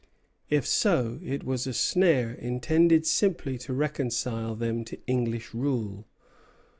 If so, it was a snare intended simply to reconcile them to English rule.